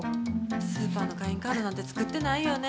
スーパーの会員カードなんて作ってないよね。